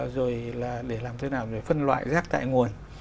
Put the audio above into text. rồi là để làm thế nào để phân loại rác tại nguồn